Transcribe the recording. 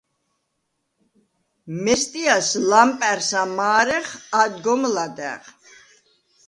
მესტიას ლამპა̈რს ამა̄რეხ ადგომ ლადა̈ღ.